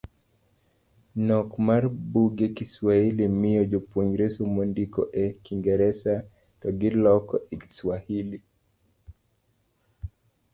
Nok mar buge kiwahili miyo Jopuonjre somo ndiko e kingresa to giloko e Swahili.